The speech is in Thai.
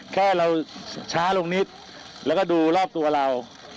แค่เราช้าลงนิดแล้วก็ดูรอบตัวเรา